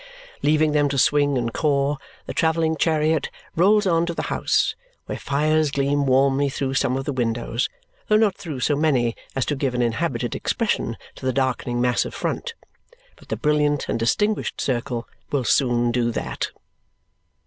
Leaving them to swing and caw, the travelling chariot rolls on to the house, where fires gleam warmly through some of the windows, though not through so many as to give an inhabited expression to the darkening mass of front. But the brilliant and distinguished circle will soon do that.